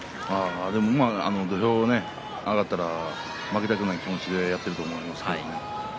でも土俵に上がったら負けたくない気持ちでやってると思います。